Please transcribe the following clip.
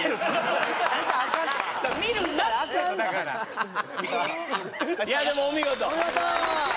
それはいやでもお見事！